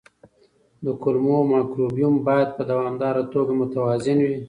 د کولمو مایکروبیوم باید په دوامداره توګه متوازن وي.